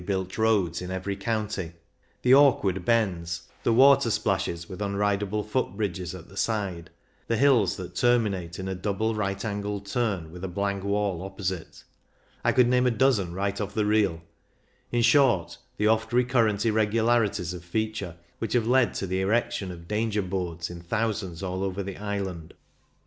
195 built roads in every county ; the awkward bends, the watersplashes with unridable footbridges at the side, the hills that termi nate in a double right angled turn with a blank wall opposite — I could name a dozen right off the reel — in short, the oft recurrent irregularities of feature which have led to the erection of danger boards in thousands all over the island.